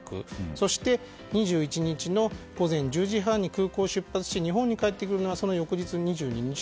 そして２１日の午前１０時半に空港を出発し日本に帰ってくるのはその翌日の２２日。